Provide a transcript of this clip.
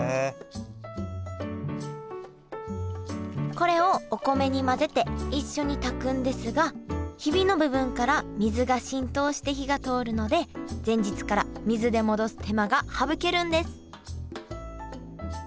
これをお米に混ぜて一緒に炊くんですがヒビの部分から水が浸透して火が通るので前日から水で戻す手間が省けるんです